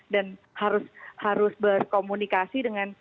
dan harus berkomunikasi